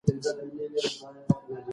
کله چي لمر راوخېژي، مرغان سندرې پیل کوي.